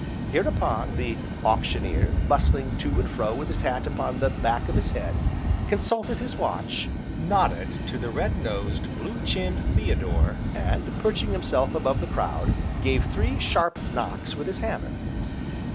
Hereupon, the Auctioneer, bustling to and fro with his hat upon the back of his head, consulted his watch, nodded to the red nosed, blue chinned Theodore, and, perching himself above the crowd, gave three sharp knocks with his hammer.